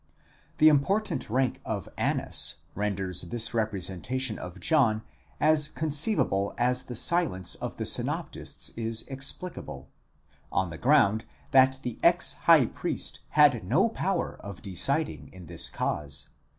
The important rank of Annas renders this representation of John as conceivable as the silence of the synoptists is explicable, on the ground that the ex high priest had no power of deciding in this cause.